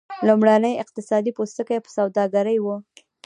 لومړنی اقتصاد د پوستکي په سوداګرۍ و.